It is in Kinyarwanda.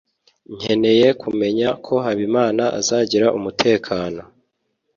nkeneye kumenya ko habimana azagira umutekano